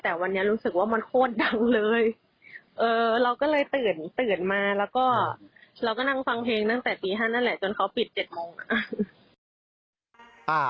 แต่วันนี้รู้สึกว่ามันโคตรดังเลยเราก็เลยตื่นตื่นมาแล้วก็เราก็นั่งฟังเพลงตั้งแต่ตี๕นั่นแหละจนเขาปิด๗โมงค่ะ